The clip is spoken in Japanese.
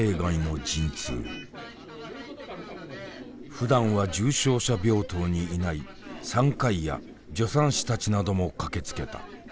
ふだんは重症者病棟にいない産科医や助産師たちなども駆けつけた。